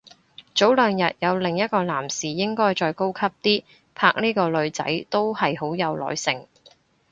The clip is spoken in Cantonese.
早兩日有另一個男士應該再高級啲拍呢個女仔，都係好有耐性